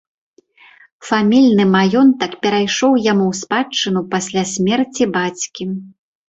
Фамільны маёнтак перайшоў яму ў спадчыну пасля смерці бацькі.